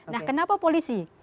nah kenapa polisi